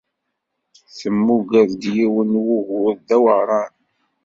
Temmuger-d yiwen n wugur d aweɛṛan.